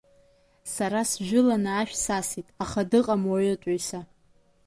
Сара сжәыланы ашә сасит, аха дыҟам уаҩытәыҩса.